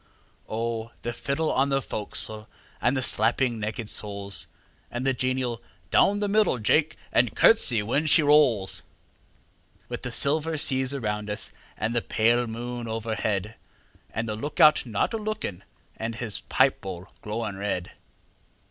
O! the fiddle on the fo'c's'le, and the slapping naked soles, And the genial ' Down the middle Jake, and curtsey when she rolls! ' A BALLAD OF JOHN SILVER 73 With the silver seas around us and the pale moon overhead, And .the look out not a looking and his pipe bowl glowing red.